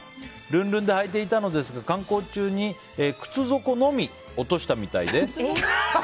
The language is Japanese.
ルンルンで履いていたのですが観光中に靴底のみ落としたみたいで。